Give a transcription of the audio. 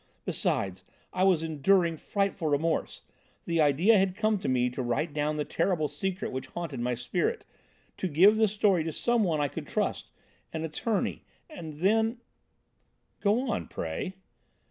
Besides, I was enduring frightful remorse. The idea had come to me to write down the terrible secret which haunted my spirit, to give the story to some one I could trust, an attorney, and then " "Go on, pray!"